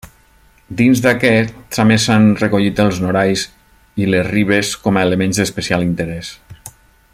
Dins d'aquest també s'han recollit els norais i les ribes com a elements d'especial interès.